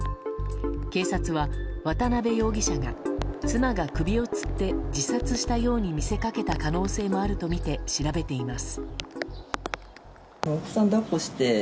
警察は渡辺容疑者が妻が首をつって自殺したように見せかけた可能性もあるとみて調べています。